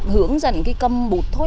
hướng dẫn cầm bụt thôi